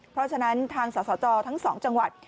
เพราะฉะนั้นทางสสจทั้ง๒จังหวัด